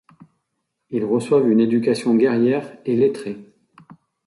Ils reçoivent une éducation guerrière et lettrée.